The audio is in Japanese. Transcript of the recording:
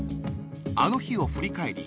［あの日を振り返り